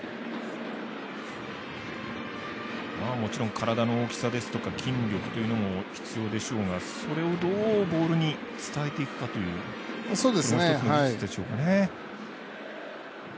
もちろん、体の大きさですとか筋力というのも必要でしょうがそれを、どうボールに伝えていくかという技術でしょうかね。